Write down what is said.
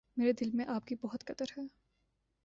میرے دل میں آپ کی بہت قدر ہے۔